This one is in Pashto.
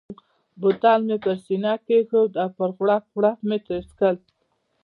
بوتل مې پر سینه کښېښود او په غوړپ غوړپ مې ترې څښل.